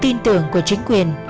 tin tưởng của chính quyền